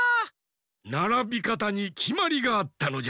ならびかたにきまりがあったのじゃ。